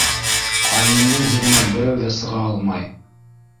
Ҡайнымдың һүҙенән берәү ҙә сыға алмай.